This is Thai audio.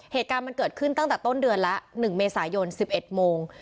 เหตุการณ์มันเกิดขึ้นตั้งแต่ต้นเดือนละ๑เมษายน๑๑โมง